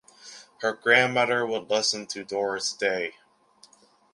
Her grandmother would listen to Doris Day.